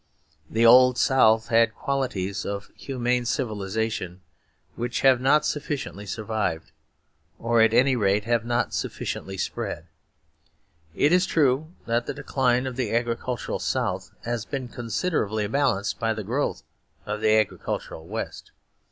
The Old South had qualities of humane civilisation which have not sufficiently survived; or at any rate have not sufficiently spread. It is true that the decline of the agricultural South has been considerably balanced by the growth of the agricultural West.